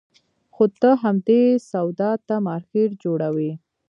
خو ته همدې سودا ته مارکېټ جوړوې.